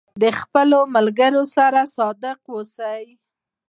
د خپلو ملګرو سره صادق اوسئ.